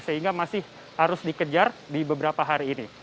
sehingga masih harus dikejar di beban